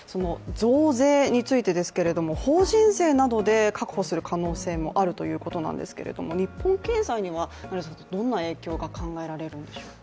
増税についてですが、法人税などで確保する可能性もあるということなんですが日本経済にはどんな影響が考えられるんでしょうか？